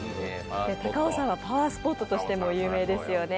高尾山はパワースポットとしても有名ですよね。